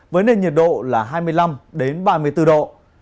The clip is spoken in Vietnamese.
với nền nhiệt độ là hai mươi năm ba mươi bốn độ